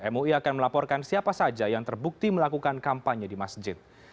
mui akan melaporkan siapa saja yang terbukti melakukan kampanye di masjid